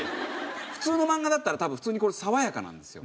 普通の漫画だったら多分普通に爽やかなんですよ。